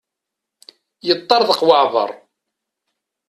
Yeṭṭerḍeq waɛbar.